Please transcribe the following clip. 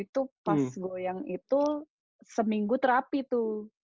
itu pas goyang itu seminggu terapi tuh